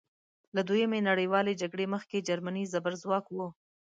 له دویمې نړیوالې جګړې مخکې جرمني زبرځواک وه.